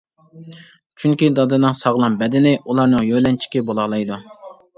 چۈنكى، دادىنىڭ ساغلام بەدىنى ئۇلارنىڭ يۆلەنچۈكى بولالايدۇ.